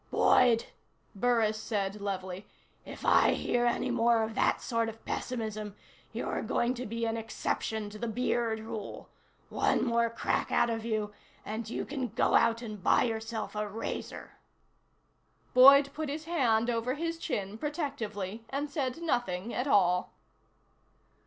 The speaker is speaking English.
"Boyd," Burris said levelly, "if I hear any more of that sort of pessimism, you're going to be an exception to the beard rule. One more crack out of you, and you can go out and buy yourself a razor." Boyd put his hand over his chin protectively, and said nothing at all.